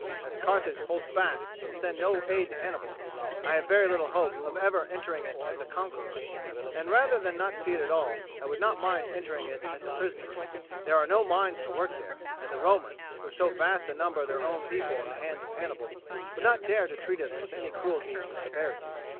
As Carthage holds back and will send no aid to Hannibal, I have very little hope of ever entering it as a conqueror, and rather than not see it at all I would not mind entering it as a prisoner. There are no mines to work there, and the Romans, with so vast a number of their own people in the hands of Hannibal, would not dare to treat us with any cruelty or severity.